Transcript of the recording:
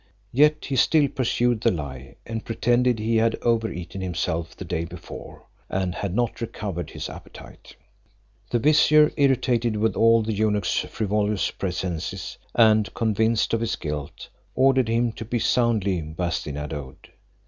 Yet he still pursued the lie, and pretended he had over eaten himself the day before, and had not recovered his appetite. The vizier irritated with all the eunuch's frivolous presences, and convinced of his guilt, ordered him to be soundly bastinadoed.